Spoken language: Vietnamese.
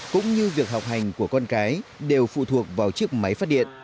cũng như việc học hành của con cái đều phụ thuộc vào chiếc máy phát điện